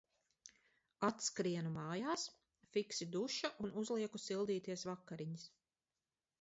Atskrienu mājās, fiksi duša un uzlieku sildīties vakariņas.